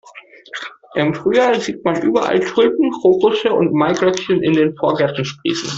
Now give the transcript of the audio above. Im Frühjahr sieht man überall Tulpen, Krokusse und Maiglöckchen in den Vorgärten sprießen.